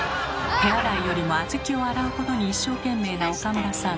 手洗いよりも小豆を洗うことに一生懸命な岡村さん。